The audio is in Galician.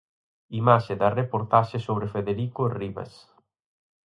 Imaxe da reportaxe sobre Federico Ribas.